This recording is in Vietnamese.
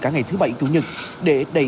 cả ngày thứ bảy chủ nhật để đẩy